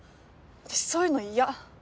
私そういうの嫌。